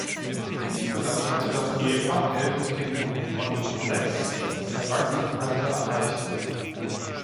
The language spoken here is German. Insgesamt hatte das Ehepaar elf Kinder, von denen sechs das Erwachsenenalter erreichten.